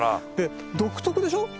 独特でしょ？